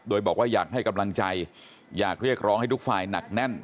โดยบอกว่าอยากให้กำลังใจอยากเรียกร้องให้ทุกฝ่ายหนักแน่น